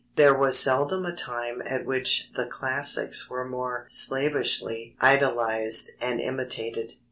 There was seldom a time at which the classics were more slavishly idolized and imitated.